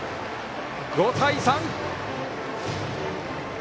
５対３！